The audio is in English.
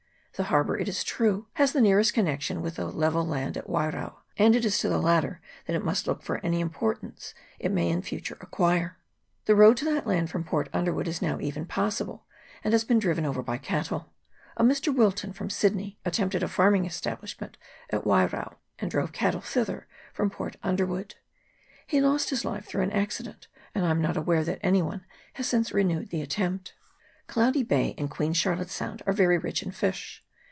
The har bour, it is true, has the nearest connection with the level land at Wairao, and it is to the latter that it must look for any importance it may in future acquire. The road to that land from Port Under wood is even now passable, and has been driven over by cattle. A Mr. Wilton, from Sydney, attempted a farming establishment at Wairao, and drove cattle thither from Port Underwood. He lost his life through an accident, and I am not aware that any one has since renewed the attempt. Cloudy Bay and Queen Charlotte's Sound are very rich in fish.